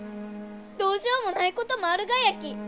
どうしようもないこともあるがやき！